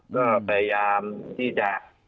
ก็พยายามที่จะ